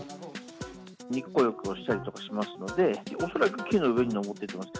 日光浴をしたりとかしますので、恐らく木の上に登っていると思います。